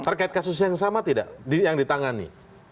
terkait kasus yang sama tidak yang ditangani